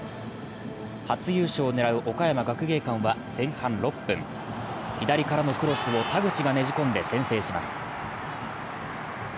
初優勝を狙う岡山学芸館は前半６分、左からのクロスを田口がねじ込んで先制します。